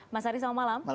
mas ari selamat malam